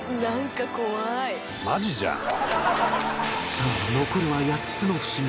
さあ残るは８つのふしぎ